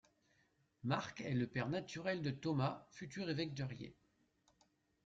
Marc est le père naturel de Thomas, futur évêque de Riez.